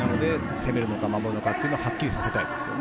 攻めるのか守るのかはっきりさせたいです。